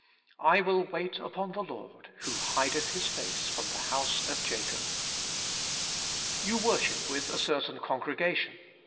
*I will wait upon the Lord, who hideth His face from the house of Jacob.* You worship with a certain congregation.